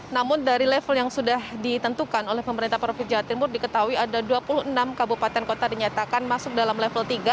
namun dari level yang sudah ditentukan oleh pemerintah provinsi jawa timur diketahui ada dua puluh enam kabupaten kota dinyatakan masuk dalam level tiga